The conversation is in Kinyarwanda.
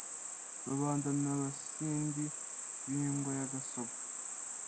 Rubanda na Basindi B'i Ngwa ya Gasogwe